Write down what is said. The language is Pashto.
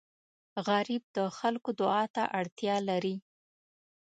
غریب د خلکو دعا ته اړتیا لري